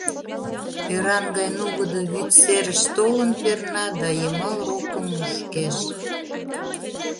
Ӧран гай нугыдо вӱд серыш толын перна да йымал рокым мушкеш...